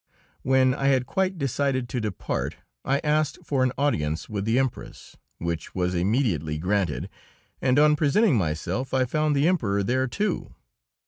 When I had quite decided to depart I asked for an audience with the Empress, which was immediately granted, and on presenting myself I found the Emperor there, too.